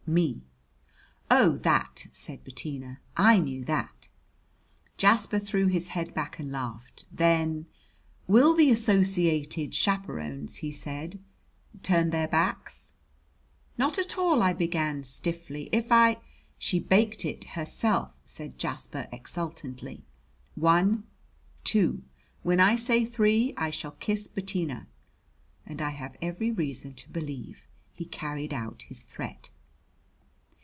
"Me." "Oh, that!" said Bettina. "I knew that." Jasper threw his head back and laughed. Then: "Will the Associated Chaperons," he said, "turn their backs?" "Not at all," I began stiffly. "If I " "She baked it herself!" said Jasper exultantly. "One two. When I say three I shall kiss Bettina." And I have every reason to believe he carried out his threat.